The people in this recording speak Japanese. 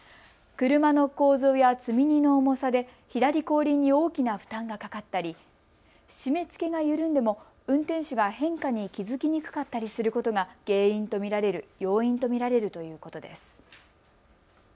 車の構造や積み荷の重さで左後輪に大きな負担がかかったり締めつけが緩んでも運転手が変化に気付きにくかったりすることが要因と見られるということです。